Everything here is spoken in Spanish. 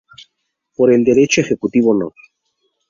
Por el Decreto Ejecutivo No.